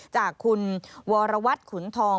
จากคุณวรวัตรขุนทอง